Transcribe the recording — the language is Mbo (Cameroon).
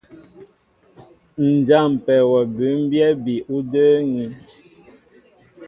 Ǹ jâmpɛ wɔ bʉ́mbyɛ́ bi ú də́ə́ŋí.